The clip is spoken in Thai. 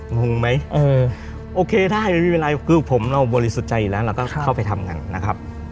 งงไหมโอเคได้มีเวลาคือผมเราบริสุจัยแล้วเราก็เข้าไปทำงานนะครับ